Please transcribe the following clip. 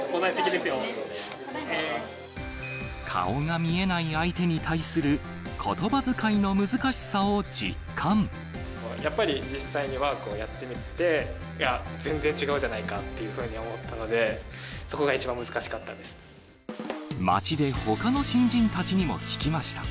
顔が見えない相手に対するこやっぱり実際にワークをやってみて、全然違うじゃないかっていうふうに思ったので、そこが一街でほかの新人たちにも聞きました。